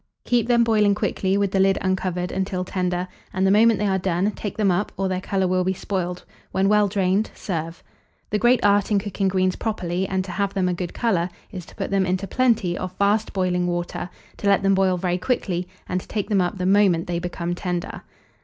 Keep them boiling quickly, with the lid uncovered, until tender; and the moment they are done, take them up, or their colour will be spoiled; when well drained, serve. The great art in cooking greens properly, and to have them a good colour, is to put them into plenty of fast boiling water, to let them boil very quickly, and to take them up the moment they become tender.